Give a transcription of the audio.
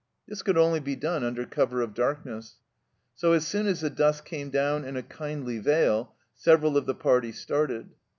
This could only be done under cover ot darkness. So as soon as the dusk came down in a kindly veil several of the party started.